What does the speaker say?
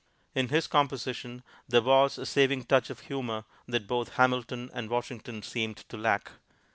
In his composition, there was a saving touch of humor that both Hamilton and Washington seemed to lack.